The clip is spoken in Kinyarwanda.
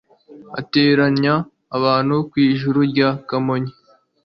arateranya abantu kw'ijuru rya kamonyi